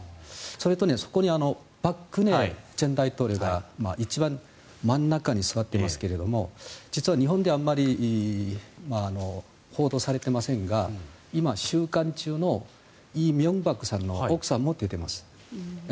それとそこに朴槿惠前大統領が一番真ん中に座っていますが実は、日本であまり報道されてませんが今、収監中の李明博さんの奥さんも出ています。